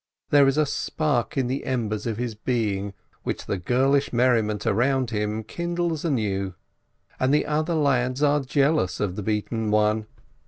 There is a spark in the embers of his being which the girlish merriment around him kindles anew. And the other lads are jealous of the beaten one.